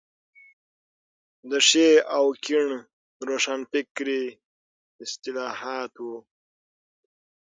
د ښي او کيڼ روښانفکري اصطلاحات وو.